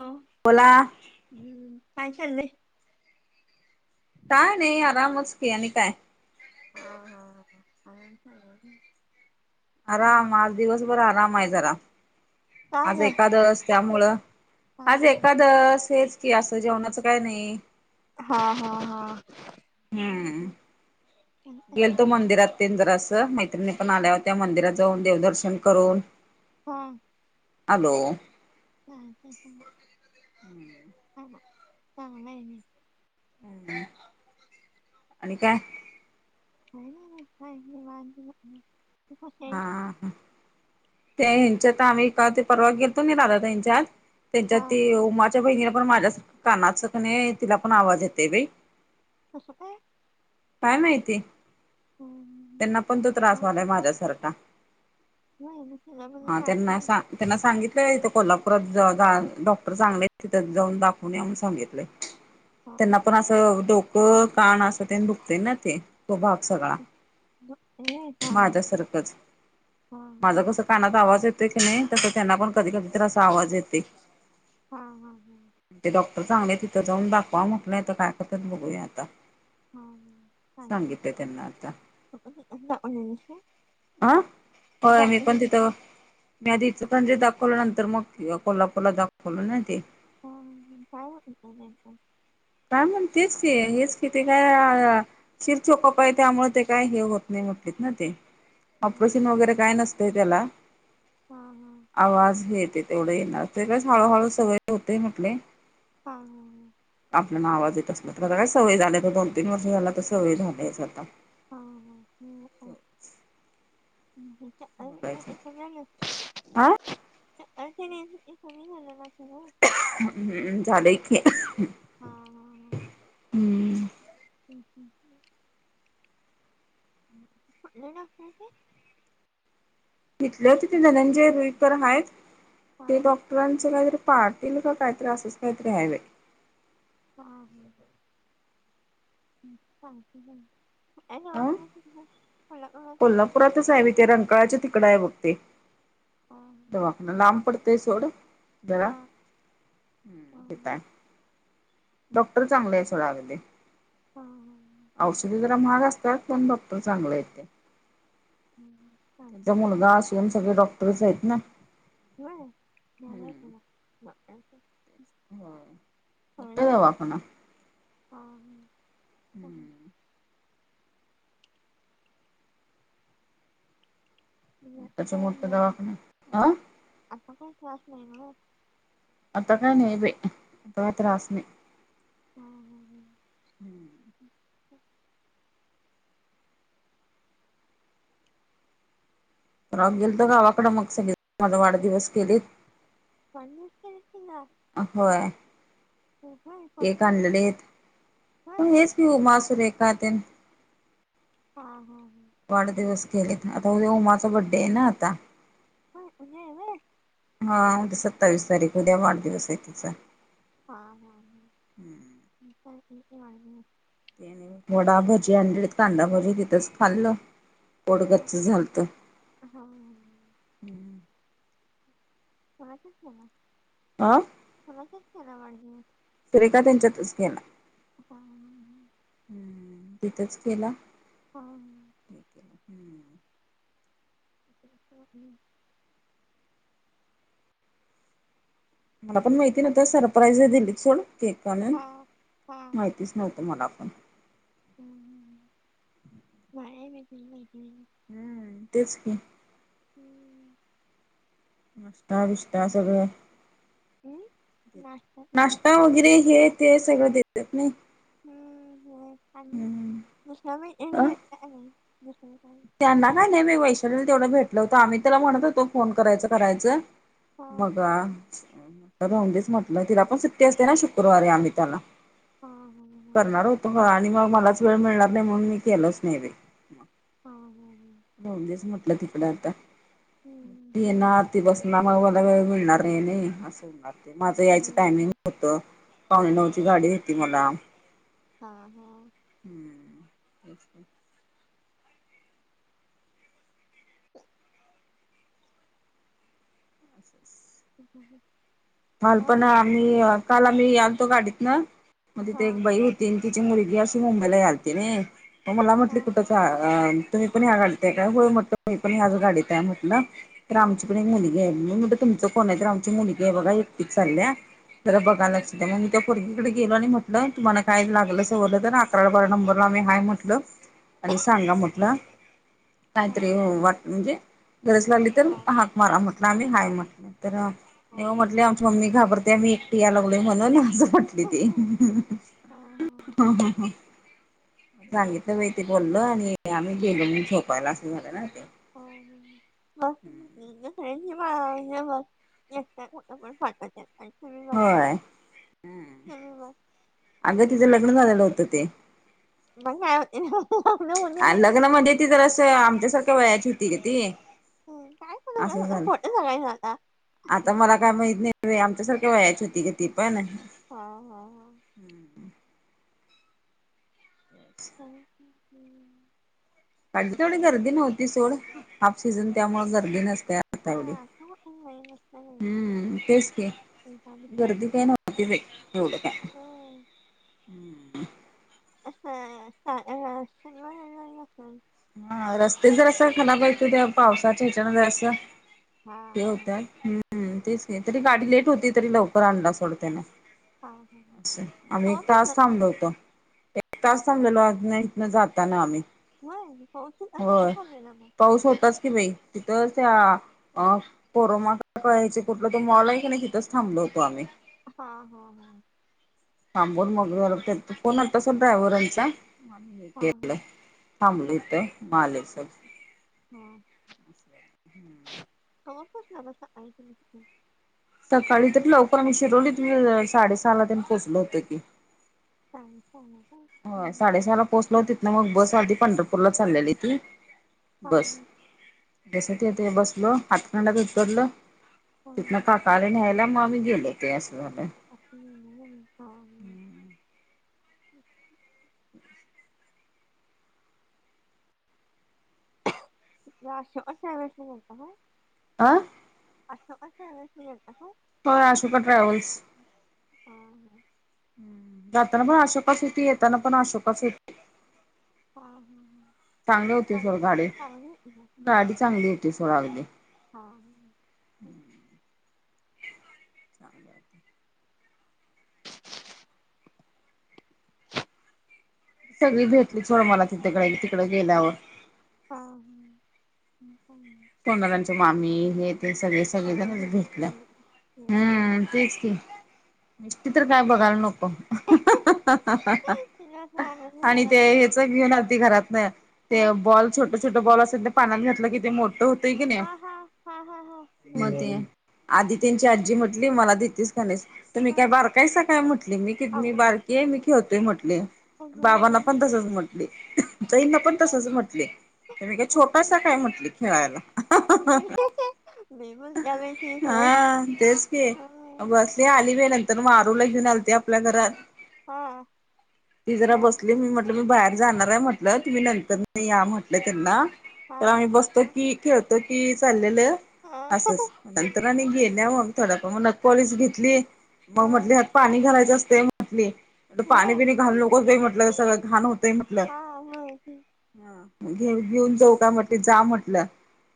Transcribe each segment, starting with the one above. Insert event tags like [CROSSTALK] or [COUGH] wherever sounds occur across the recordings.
आं? बोला. हम्म. काय चाललंय? काय नाही. आरामच की आणि काय? हां. हां. हां. आराम चाललाय व्हय? आराम. आज दिवसभर आराम आहे जरा. आज ग? एकादस त्यामुळं आज एकादस हेच की असं जेवणाचं काय नाही. हा. हा. हम्म हा. गेलतो मंदिरात ते जरास. मैत्रिणी पण आल्यावत्या मंदिरात जाऊन देवदर्शन करून- हां. आलो. [UNINTELLIGIBLE] हां. म चांगलंय ना. हम्. आणि काय? काय नाय बा मग काय निवांत [UNINTELLIGIBLE] कशी हा, आहेस? हा. ते हेंच्यात आम्ही काल परवा गेलतो नाही राधा ताईंच्यात हा त्यांच्यात ती उमाच्या बहिणीला पण माझ्यासारख कानाच की नाही, तिला पण आवाज येते बाई. कसं काय? काय माहिती? हम्म, त्यांना पण तो त्रास हा व्हायला माझ्या सा सारखा नाही मी तुला बरं हा काय त्यांना आहे? असा त्यांना सांगितलंय, इथं कोल्हापुरात जा डॉक्टर चांगले तिथं जाऊन दाखवून या म्हणून सांगितलेय. [INAUDIBLE] त्यांना पण असं डोकं, कान असं ते दुखतय ना ते, तो भाग सगळा झोपतेय. हा माझ्यासारखंच माझं कस कानात आवाज येतोय की नाही, तसं त्यांना पण कधी कधी तर असा आवाज येतय. हा, हा, हा. ते डॉक्टर चांगले आहेत, तिथं जाऊन दाखवा म्हटलंय, तर काय करतात बघूया आता. सांगितलंय त्यांना आता [UNINTELLIGIBLE] आ? होय मी जाऊन पण आलीस. तिथं मी आधी इचलकरंजीत दाखवलं नंतर, मग कोल्हापूरला दाखवलं नाय ते. [UNINTELLIGIBLE] काय म्हण तेच की, हेच कि ते काय शिर चोकप आहे, त्यामुळे ते काय हे होत नाही म्हटलेत ना ते. हा ऑपरेशन वगैरे काय नसतय त्याला. हा, हा. आवाज बी येतय, तेवढे येणार ते काय हळूहळू सवय होते म्हटले. हा, हा, हा. आपल्याला आवाज येत असल तर, आता काय सवय झालीय आता दोन, तीन वर्ष झाली आता सवय झालीयच आता. बघायचं [UNINTELLIGIBLE] हा [UNINTELLIGIBLE] हम्म, झालंय की. हा, हा, हा. हम्म. [UNINTELLIGIBLE] [UNINTELLIGIBLE] तिथलेच ते धनंजय रुईकर हायत ते डॉक- टरांच कायतरी पाटील का, कायतरी असंच कायतरी, हाय बाय. हा, हा. [UNINTELLIGIBLE] प्रतच हाय बाई ते, रंकाळ्याच्या तिकडं हाय बग ते. दवाखाना लांब पडतय सोड, जरा हम्म, तिताय. डॉक्टर चांगलं आहे सोडा अगदी, औषध जरा महाग असत्यात, पण डाक्टर चांगल आहेत ते, त्यांचा मुलगा अस- सगळे डॉक्टरच आहेत ना. नाय [UNINTELLIGIBLE] व्हय, मोठाय दवाखाना. [UNINTELLIGIBLE] हम्म मोठाच्या मोठा दवाखाना अ [UNINTELLIGIBLE] आता काय नाय बाई, आता काय त्रास नाय. हा, हा. [UNINTELLIGIBLE] परवा आणि गेलतो गावाकड मग सगळी माजा वाढदिवस केलीत चायनीज करायचं ना आं व्हय ते एक आणलेलंयेत पण हेच ति उमा, सुरेखा तेन हां, हां वाढदिवस केलेत आता उद्या उमाचा बड्डे आहे ना आता व्हय उद्या हाय व्हय हां सत्तावीस तारीख उद्या वाढदिवस आहे तिचा हां, हां [UNINTELLIGIBLE] वडा भजी आणलेलीत कांदा भजी तिथंच खाल्लो पोट गच्च झालत हां [UNINTELLIGIBLE] आं कुणाच्यात केला वाढदिवस? सुरेखा त्यांच्यातच की ह तिथंच केला हा [UNINTELLIGIBLE] मला पण माहिती नवत सरप्राईज दिली सोड केक आणून हा हा तीच नव्हतं मला पण हम्म मा म काय नाही हम्म तेच की [UNINTELLIGIBLE] नाष्टा, बिष्टा सगळं हम्म. नाश्ता ते नाश [UNINTELLIGIBLE] वगैरे हे ते सगळं देतात नाही हम्म अ [UNINTELLIGIBLE] त्यांना काय नाही मी वैशालीला तेवढं भेटलं होतं आम्ही त्याला म्हणत होतो फोन करायचं, करायचं हा मग राहुंदेच म्हटलं तिला पण सुट्टी असते ना शुक्रवारी अनिताला हा हा करणार होतो आणि मग मलाच वेळ मिळणार नाही म्हणून मी केलोच नाई बाई ह, ह, ह राहुंदेच म्हटलं तिकडं आता हम्म ती हम्म येणार ती बसूनना मग मला वेळ मिळणार नाही असं होणार ते माझं यायचं टायमिंग हम्म हो त पावणे नऊची गाडी येती मला हा, हा [UNINTELLIGIBLE] [UNINTELLIGIBLE] [UNINTELLIGIBLE] [INAUDIBLE] काल हा पण आम्ही काल आम्ही याल तो गाडीत ना मग तिथे एक हा बई होती तीन तिची मुलगी असशी मुंबईला यायलती नाही म मला हा म्हटली कुठ तुम्ही पण ह्या गाडीत आहे होय म्हटलं मी पण ह्याच गाडीत आहे म्हटलं तर मग आमची पण एक मुलगी आहे मी म्हटल तुमचं कोण आहे तर आमची मुलगी आहे बघा एकटीच चालल्या जरा हा बघाला लक्ष दया मग मी त्या पोरगीकडं गेलो आणि म्हटलं तुम्हाला काय लागलं सवरलं तर अकरा बारा नंबरला आम्ही हाय म्हटलं. आणि सांगा म्हटलं. हा काहीतरी वाट म्हणजे गरज लागली तर हा हाक म्हटला आम्ही हाय म्हटलं, तर [UNINTELLIGIBLE] म्हटले आमची मम्मी घाबरते मी एकटी याय लागलो म्हणून असं [UNINTELLIGIBLE] हा हा हा. हा सांगितलं मी ते बोललं आणि आम्ही गेलो मी झोपायला असं झालं ना ते. हो [UNINTELLIGIBLE] [UNINTELLIGIBLE] आणि तुम्ही बघा ना. हम्म तुम्ही बघ अगं तिचं लग्न कुठे झालेलं होतं ते. [UNINTELLIGIBLE] उद्या नाही लग्न म्हणजे ती जरा असं आमच्यासारख्या वयाची होती ग ती. हम्म काय पण उगच असं आता झालं खोटं सांगायचं आता. आता मला काय माहित नाही पण आमच्यासारखं वयाची होती का ती पण. हा हा हा. [UNINTELLIGIBLE] पाहिजे थोडी गर्दी नव्हती सोड हाफ सीझन त्यामुळे गर्दी नस नव्हती आता एवढी हम्म तेच की हा गर्दी काय नव्हती बाई एवढं काय. हा [INAUDIBLE] असं [UNINTELLIGIBLE] झाले असणार? हा रस्ते जर असं खराब आहेेत ते पावसाच्या ह्याच्यामधे असं. ते होत हम्म तेच की तरी गाडी लेट होती तरी लवकर आणला सोड तेनं. [UNINTELLIGIBLE] आम्ही एक तास थांबवलो होतो. एक तास थांबलेलो आपल्या इथनं जाताना आम्ही. व्हायं पाऊस होता मग कुठं होय थांबलेला मग? पाऊस होताच की बाई तिथं त्या अ कोरोना काळाचे कुठलं तो मॉल आहे क नाही तिथचं थांबलेलो होतो आम्ही. हा हा हा. [UNINTELLIGIBLE] फोन आलता सोड ड्रायव्हरांचा हे केलं. थांबलोय इथं मग आले सोड. हम्म. [INAUDIBLE] कव्हा पासन् [UNINTELLIGIBLE] सकाळी तरी लवकर आम्ही शिरोवलीत साडे सहाला तेन पोहचलो होतो की. [UNINTELLIGIBLE] हा काय? होय साडेसहाला पोहोचलो तिथनं मग बस आलती पंढरपूरला चाललेली ती. बस [UNINTELLIGIBLE] बसलो हातकणंगणेला उतरलो. तिथनं काका आले न्यायला मग आम्ही गेलो ते असं झालं. [UNINTELLIGIBLE] ते [UNINTELLIGIBLE] ट्रॅव्हल्सन गेलता होय? आं? अशोका ट्रॅव्हल्सनी गेलता का? हो, अशोका ट्रॅव्हल्स. ह ह.. जाताना पण अशोका होती, येताना पण अशोका होती. हा चांगली होती सोड गाडी हा ह [UNINTELLIGIBLE] गाडी चांगली होती [UNINTELLIGIBLE] हा. हम्म. चांगल ते. सगळी भेटली सोड मला [UNINTELLIGIBLE] तिकड गेल्यावर. हा ह [UNINTELLIGIBLE] मामी हे ते सगळे सगळे जणच भेटल्या, हम्म. तेच की, [UNINTELLIGIBLE] काय बघायला नको. तिला सांगत नाही आणि झालं ते सगळी नाती घरातन, काय ते बॉल छोट छोट बॉल असतेत ना पाण्यात घातलं की ते मो हा हा हा हा हा मग ह. ते आधी त्यांची आजी म्हटली मला देतेस का नाहीस? तर मी हा काय बारकायच काय म्हटले, मी कि मी अगं बारकी आहे मी [UNINTELLIGIBLE] म्हटले. अगं बाबांना बाई पण तसच म्हटले. ताईना पण तसच म्हटले, तर मी काय छोटासा काय म्हटले खेळायला. [UNINTELLIGIBLE] ह. ते आली बाई नंतर मारूला घेऊन आलती आपल्या घरात. हा ती जरा या बसली मी म मी बाहेर जाणार आहे म्हटलं, तुम्ही नंतर [UNINTELLIGIBLE] या म्हटलं त्यांना हा तर आम्ही बसतो हा [UNINTELLIGIBLE] की चाललेलं हा असंच नंतर आणि गेल्या मग थोड्या मग नक पॉलिश घेतली, मग हा म्हटले पाणी घालायचं असते म्हटली, पाणी व्हय पिणी घालू उगच बाई म्हटलं सगळं घाण होत. म्हटलं, हा व्हय घे- घेऊन जाऊ का म्हनल, जा म्हटलं.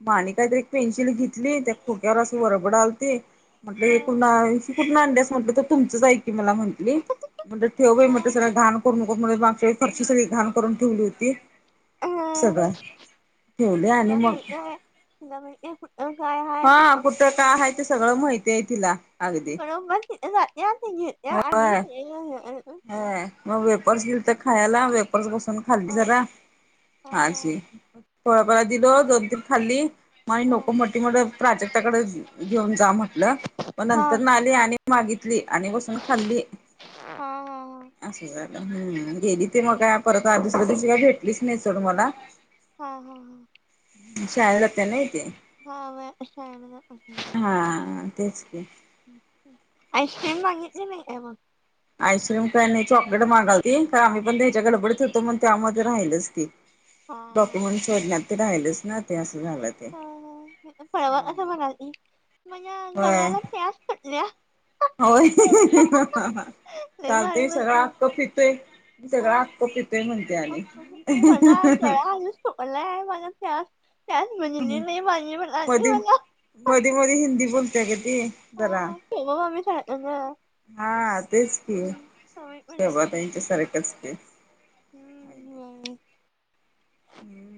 मा आणि काहीतरी एक पेन्सिल घेतली, त्या खोक्यावर असं वरबड आलते, म्हटलं हा ही पुन्हा कुठून आणलं म्हटलं तर, तुमच आहे की मला म्हण म्हे ठेव बाई म्हंटल, हा सगळं तिला घाण करून नको, मागच्या वेळेस फरशी तिला सगळी घाण करुन ठेवली होती, सगळं ठेवले आणि मग या आहे [UNINTELLIGIBLE] हझ एक अ कााय हय हा खण कुठं काय आहे ते सगळं माहिती आहे तिला अगदी [UNINTELLIGIBLE] म या त घी या आणि होय [UNINTELLIGIBLE] होय मग वेफर्स दिलेते खायला, वेपर्स बसून खाल्ली हा जरा, हा माजी थोळापला [UNINTELLIGIBLE] दिल दोन तीन खाल्ली मा हा नको मोठी मोठ प्राचक त्याकडे घेऊन जा म्हटलं म हा नंतर नाले आणि माग आणि बसून खाल्ली, हा हा अस झाल. गेली ते मग काय, परत दुसऱ्या दिवशी काय भेटलीच नाही सोड मला. हा हा ह हा, शाळेला जात्या नाही ते हा मी आता शाळेमध्ये जात होते. हा तेच की, आईस्क्रीम मागितली नाही का मग? आईस्क्रीम काय नाही चॉकलेट मागवली, तर आम्ही पण त्याच्या गडबडीत होतो मग त्यामध्ये राहिलच ती. हा डॉक्युमेंट सोडण्यात ते राहिलच ना, ते असं झालं ते. हळवत असं म्हणाली म्हणज्या [UNINTELLIGIBLE] होय घराला प्यास पटल्या होय लय भारी चालतय सगळं बोलतो आक्क पितोय. तगळ आक्क पीतोय. [UNINTELLIGIBLE] मधी [UNINTELLIGIBLE] मधी मधी हिंदी बोलतेय गं ती जरा! [UNINTELLIGIBLE] हा तेच की हम्म म्हणलं त्यांची [UNINTELLIGIBLE] सारखंच की. [UNINTELLIGIBLE] [INAUDIBLE]